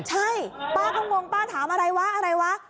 ใช่ป้าก็งงป้าถามอะไรวะอะไรวะ